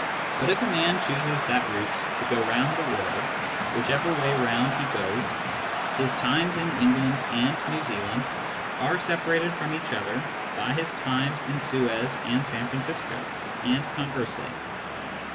But if a man chooses that route to go round the world, whichever way round he goes, his times in England and New Zealand are separated from each other by his times in Suez and San Francisco, and conversely.